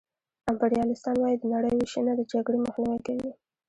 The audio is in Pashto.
امپریالیستان وايي د نړۍ وېشنه د جګړې مخنیوی کوي